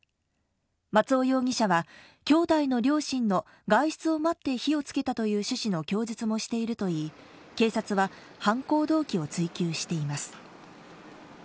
松尾容疑者は兄弟の両親の外出を待って火をつけたという趣旨の供述もしているといい、警察は犯行動機を追及しています。